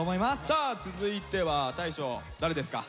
さあ続いては大昇誰ですか？